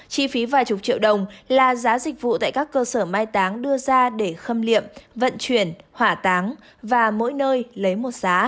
chi phí vài chục triệu đồng là giá dịch vụ tại các cơ sở mai táng đưa ra để khâm